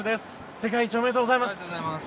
世界一おめでとうございます。